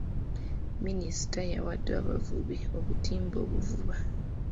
Minisita yawadde abavubi obutimba obuvuba.